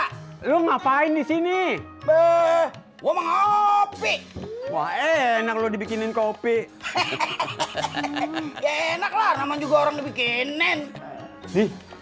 hai lo ngapain di sini weh ngopi enak dibikinin kopi enaklah nama juga orang bikinin sih